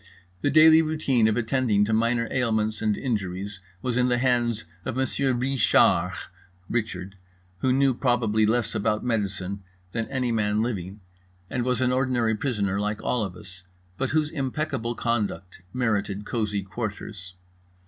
The daily routine of attending to minor ailments and injuries was in the hands of Monsieur Ree shar (Richard), who knew probably less about medicine than any man living and was an ordinary prisoner like all of us, but whose impeccable conduct merited cosy quarters.